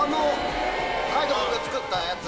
海人君が作ったやつ？